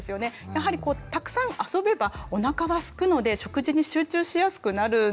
やはりこうたくさん遊べばおなかはすくので食事に集中しやすくなるんですよね。